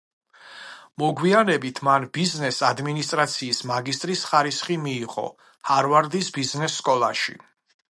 მოგვიანებით მან ბიზნეს ადმინისტრაციის მაგისტრის ხარისხი მიიღო ჰარვარდის ბიზნეს სკოლაში.